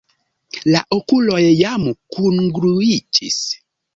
La okuloj jam kungluiĝis.